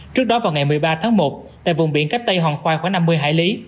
trước đó vào ngày một mươi ba tháng một tại vùng biển cách tây hòn khoai khoảng năm mươi hải lý